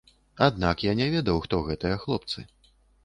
Аднак я не ведаў, хто гэтыя хлопцы.